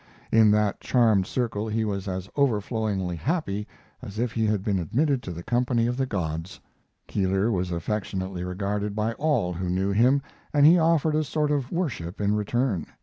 In that charmed circle he was as overflowingly happy as if he had been admitted to the company of the gods. Keeler was affectionately regarded by all who knew him, and he offered a sort of worship in return.